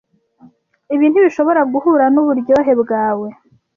Ibi ntibishobora guhura nuburyohe bwawe.